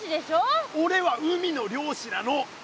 おれは海の漁師なの！